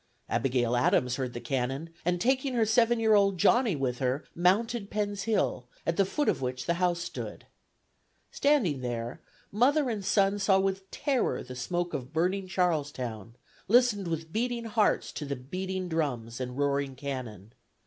Abigail Adams heard the cannon, and taking her seven year old Johnny with her, mounted Penn's Hill, at the foot of which the house stood. Standing there, mother and son saw with terror the smoke of burning Charlestown, listened with beating hearts to the beating drums and roaring cannon.